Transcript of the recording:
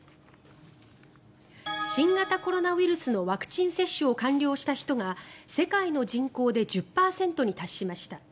新型コロナウイルスのワクチン接種を完了した人が世界の人口で１０％に達しました。